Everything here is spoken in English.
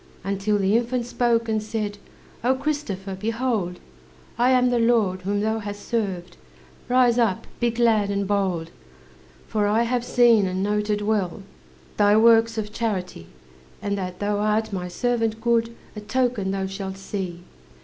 Until the infant spoke, and said: "O Christopher, behold! I am the Lord whom thou hast served, Rise up, be glad and bold! "For I have seen and noted well, Thy works of charity; And that thou art my servant good A token thou shalt see.